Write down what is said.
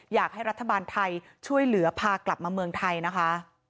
อยากให้รัฐบาลไทยช่วยเหลือพากลับมาเมืองไทยนะคะ